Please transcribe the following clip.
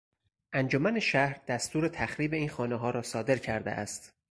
انجمن شهر دستور تخریب این خانهها را صادر کرده است.